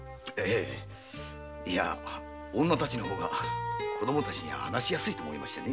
女たちの方が子供には話しやすいと思いましてね。